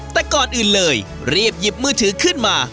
แต่ก่อนอื่นเลยรีบหยิบมือถือขึ้นมา